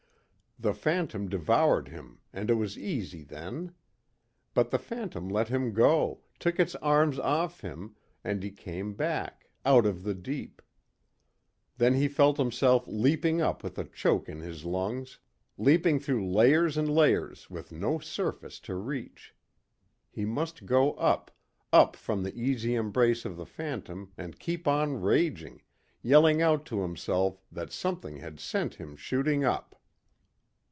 The phantom devoured him and it was easy then. But the phantom let him go, took its arms off him, and he came back, out of the deep. Then he felt himself leaping up with a choke in his lungs, leaping through layers and layers with no surface to reach. He must go up, up from the easy embrace of the phantom and keep on raging, yelling out to himself that something had sent him shooting up.